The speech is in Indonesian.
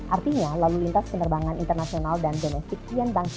artinya lalu lintas penerbangan internasional dan domestik kian bangkit